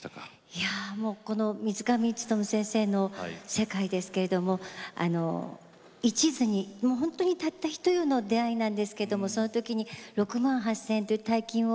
いやもうこの水上勉先生の世界ですけれどもいちずに本当にたったひと夜の出会いなんですけどもその時に６万８，０００円という大金を頂くんです。